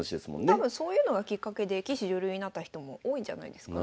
多分そういうのがきっかけで棋士・女流になった人も多いんじゃないですかね。